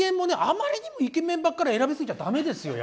あまりにもイケメンばっかり選び過ぎちゃ駄目ですよ